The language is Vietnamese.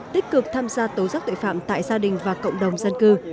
tích cực tham gia tố giác tội phạm tại gia đình và cộng đồng dân cư